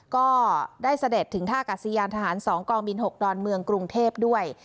ก็ได้เสด็จถึงท่ากัศยานทหาร๒กองบิน๖ดอนเมืองกรุงเทพด้วย